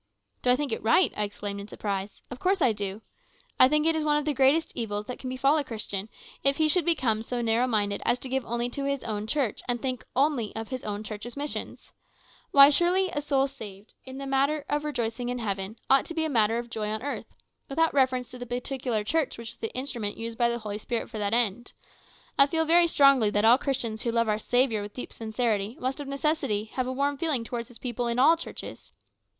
"Do I think it right?" I exclaimed in surprise. "Of course I do. I think it one of the greatest evils that can befall a Christian, that he should become so narrow minded as to give only to his own church, and think only of his own church's missions. Why, surely a soul saved, if a matter of rejoicing in heaven, ought to be a matter of joy on earth, without reference to the particular church which was the instrument used by the Holy Spirit for that end. I feel very strongly that all Christians who love our Saviour with deep sincerity must of necessity have a warm feeling towards His people in all churches.